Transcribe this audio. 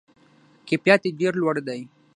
کیفیت یې ډیر لوړ دی.